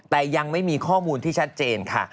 แต่ยังไม่มีข้อมูลที่ชัดเจนค่ะ